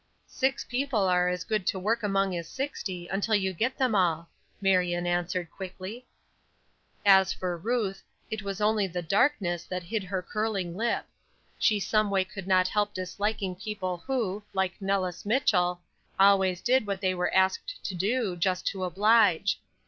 "Six people are as good to work among as sixty, until you get them all," Marion answered, quickly. As for Ruth, it was only the darkness that hid her curling lip. She someway could not help disliking people who, like Nellis Mitchell, always did what they were asked to do, just to oblige.